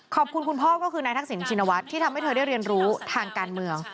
คุณพ่อก็คือนายทักษิณชินวัฒน์ที่ทำให้เธอได้เรียนรู้ทางการเมือง